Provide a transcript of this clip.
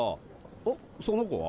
おっその子は？